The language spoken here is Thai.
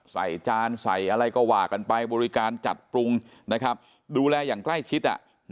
ใส่จานใส่อะไรก็วากันไปบริการจัดปรุงดูแลอย่างใกล้ชิด